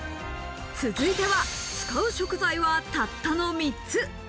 続いては、使う食材はたったの３つ。